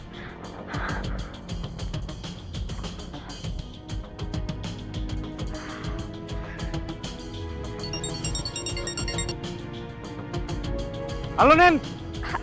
menuntutkannya orang ini sendiri